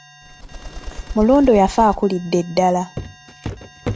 Mulondo yafa akulidde ddala.